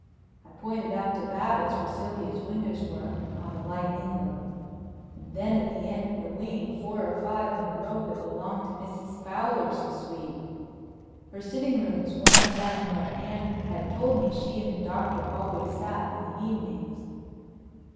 I pointed out to Babbitts where Sylvia's windows were, not a light in them; and then, at the end of the wing, four or five in a row that belonged to Mrs. Fowler's suite. Her sitting room was one of them where Anne had told me she and the Doctor always sat in the evenings.